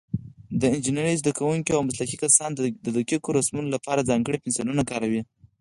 د انجینرۍ زده کوونکي او مسلکي کسان د دقیقو رسمونو لپاره ځانګړي پنسلونه کاروي.